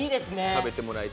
食べてもらいたい。